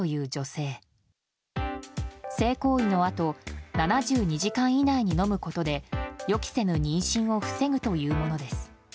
性行為のあと７２時間以内に飲むことで予期せぬ妊娠を防ぐというものです。